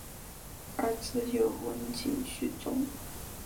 儿子有温井续宗。